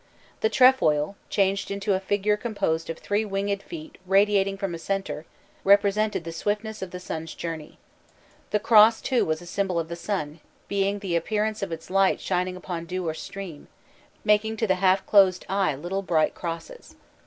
The trefoil, changed into a figure composed of three winged feet radiating from a center, represented the swiftness of the sun's journey. The cross too was a symbol of the sun, being the appearance of its light shining upon dew or stream, making to the half closed eye little bright crosses.